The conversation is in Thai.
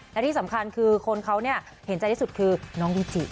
และที่สำคัญคือคนเขาเห็นใจที่สุดคือน้องวิจิ